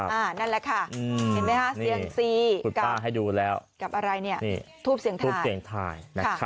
นั่นแหละค่ะเห็นไหมฮะเสียงสี่กับอะไรเนี่ยทูบเสี่ยงทาย